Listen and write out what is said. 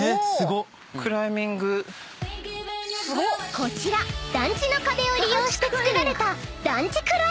［こちら団地の壁を利用して作られた］